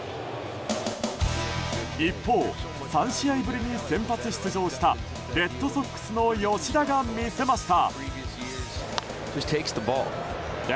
一方、３試合ぶりに先発出場したレッドソックスの吉田が見せました。